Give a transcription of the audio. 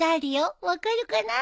分かるかな？